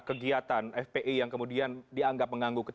kegiatan fpi yang kemudian dianggap mengganggu